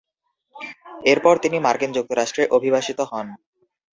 এরপর তিনি মার্কিন যুক্তরাষ্ট্রে অভিবাসিত হন।